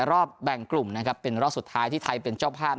รอบแบ่งกลุ่มนะครับเป็นรอบสุดท้ายที่ไทยเป็นเจ้าภาพ